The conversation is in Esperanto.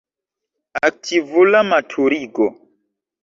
Aktivula maturigo.